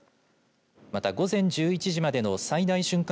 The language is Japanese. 午前１１時までの最大瞬間